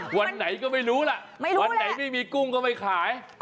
วันไหนก็ไม่รู้ล่ะวันไหนไม่มีกุ้งก็ไม่ขาย